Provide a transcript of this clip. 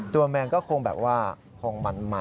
แมงก็คงแบบว่าคงมัน